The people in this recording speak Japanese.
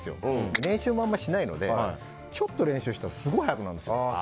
練習もあまりしてないのでちょっと練習したらすごい速くなるんですよ。